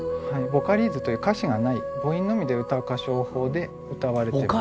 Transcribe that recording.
ヴォカリーズという歌詞がない母音のみで歌う歌唱法で歌われてる。